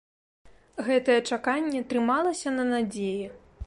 Гэтае чаканне трымалася на надзеі.